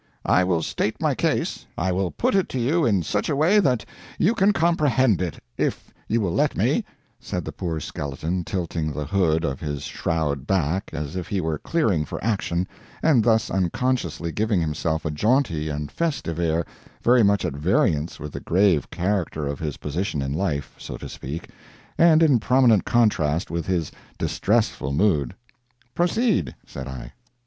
I will state my case I will put it to you in such a way that you can comprehend it, if you will let me," said the poor skeleton, tilting the hood of his shroud back, as if he were clearing for action, and thus unconsciously giving himself a jaunty and festive air very much at variance with the grave character of his position in life so to speak and in prominent contrast with his distressful mood. "Proceed," said I.